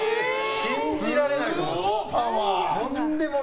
信じられないと思って。